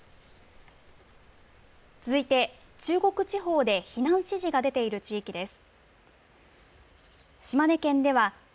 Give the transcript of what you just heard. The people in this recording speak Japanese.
続いて中国地方で避難指示が出ている地域です。